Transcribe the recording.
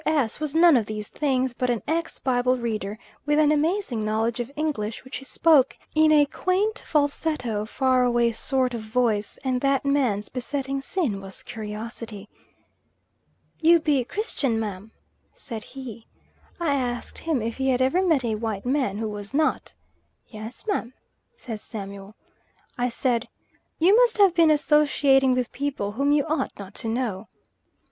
S. was none of these things, but an ex Bible reader, with an amazing knowledge of English, which he spoke in a quaint, falsetto, far away sort of voice, and that man's besetting sin was curiosity. "You be Christian, ma?" said he. I asked him if he had ever met a white man who was not. "Yes, ma," says Samuel. I said "You must have been associating with people whom you ought not to know."